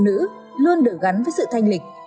người phụ nữ luôn đỡ gắn với sự thanh lịch